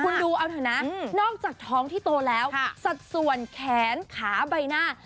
คุณดูเอาเถอะนะนอกจากท้องที่โตแล้วสัดส่วนแขนขาใบหน้า